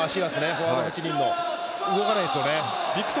フォワード、８人動かないですよね。